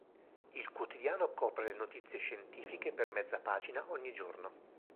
Il quotidiano copre le notizie scientifiche per mezza pagina ogni giorno.